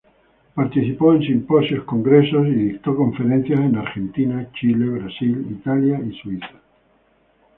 Participó en simposios, congresos y dictó conferencias en Argentina, Chile, Brasil, Italia y Suiza.